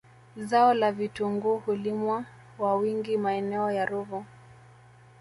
Zao la vitungui hulimwa wa wingi maeneo ya Ruvu